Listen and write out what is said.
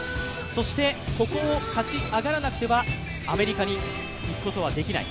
そして、ここを勝ち上がらなくてはアメリカに行くことはできない。